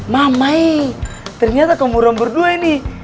mamae ternyata kamu orang berdua ini